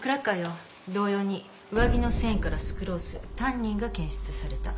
同様に上着の繊維からスクロースタンニンが検出された。